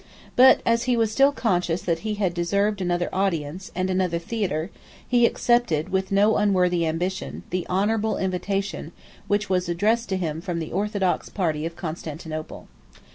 But as he was still conscious that he deserved another audience, and another theatre, he accepted, with no unworthy ambition, the honorable invitation, which was addressed to him from the orthodox party of Constantinople.